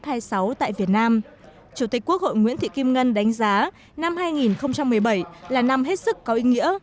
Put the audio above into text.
chủ tịch quốc hội nguyễn thị kim ngân đánh giá năm hai nghìn một mươi bảy là năm hết sức có ý nghĩa